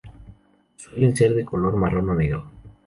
Suelen ser de color marrón o negro.